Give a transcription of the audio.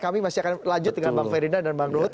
kami masih akan lanjut dengan bang ferdinand dan bang ruhut